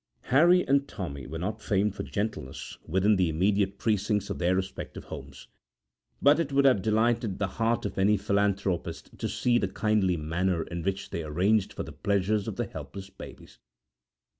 Harry and Tommy were not famed for gentleness within the immediate precincts of their respective homes, but it would have delighted the heart of any philanthropist to see the kindly manner in which they arranged for the pleasures of the helpless babes.